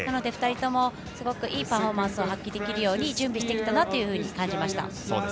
２人ともすごくいいパフォーマンスを発揮できるように準備してきたなと感じました。